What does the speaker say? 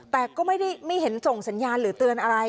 แต่ไม่เห็นส่งสัญญาณหรือเตือนอะไร